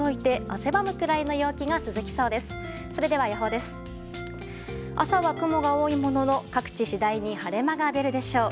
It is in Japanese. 朝は雲が多いものの各地次第に晴れ間が出るでしょう。